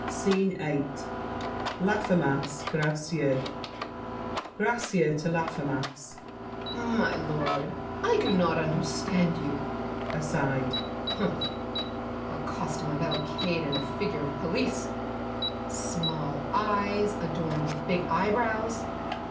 SCENE VIII Laffemas, Gracieux GRACIEUX (to Laffemas). My lord, I do not understand you! [Aside.] Humph! A costume Of Alcaid and a figure of police; Small eyes, adorned with big eyebrows!